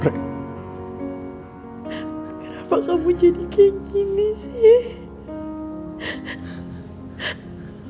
kenapa kamu jadi kayak gini sih